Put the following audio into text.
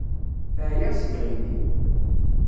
Ԑyiɣ seg yiɣimi.